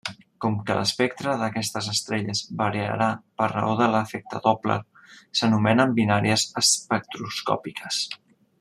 Com que l'espectre d'aquestes estrelles variarà per raó de l'efecte Doppler, s'anomenen binàries espectroscòpiques.